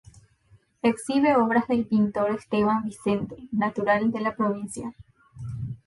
Exhibe obras del pintor Esteban Vicente, natural de la provincia.